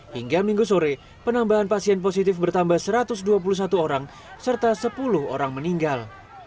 hingga minggu sore penambahan pasien positif bertambah satu ratus dua puluh satu orang serta sepuluh orang meninggal